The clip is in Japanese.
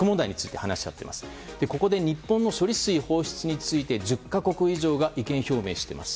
ここで日本の処理水放出について１０か国以上が意見表明しています。